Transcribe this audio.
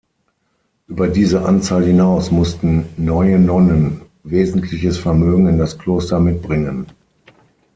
Über diese Anzahl hinaus mussten neue Nonnen wesentliches Vermögen in das Kloster mitbringen.